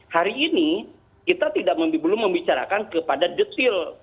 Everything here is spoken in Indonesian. hari ini kita belum membicarakan kepada detail